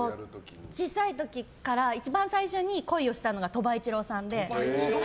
小さい時から一番最初に恋をしたのが恋をしたのが鳥羽一郎さんで。